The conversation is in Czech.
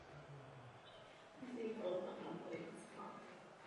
Zámek je možno po oznámení a během klasických festivalů prohlédnout.